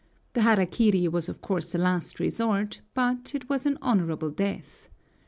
The hara kiri was of course a last resort, but it was an honorable death.